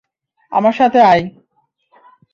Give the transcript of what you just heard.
আমার সাথে আই।